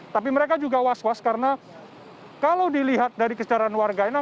tapi mereka juga was was karena kalau dilihat dari kesejarahan warganya